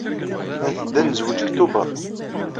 Ad nteddu ad nezweǧ deg Tubeṛ.